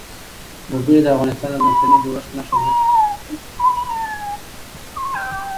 وګړي د افغانستان د ځمکې د جوړښت نښه ده.